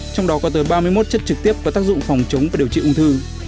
trong đó có tới ba mươi một chất trực tiếp có tác dụng phòng chống và điều trị ung thư